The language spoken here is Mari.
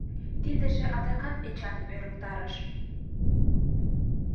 Тидыже адакат Эчаным ӧрыктарыш.